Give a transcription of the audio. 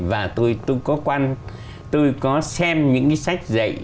và tôi có xem những sách dạy